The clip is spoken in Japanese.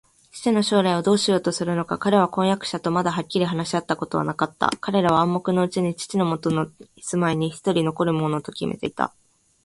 父の将来をどうしようとするのか、彼は婚約者とまだはっきり話し合ったことはなかった。彼らは暗黙のうちに、父はもとの住居すまいにひとり残るものときめていた